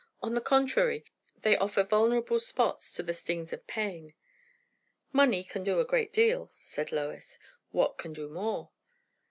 On the contrary, they offer vulnerable spots to the stings of pain." "Money can do a great deal," said Lois. "What can do more?"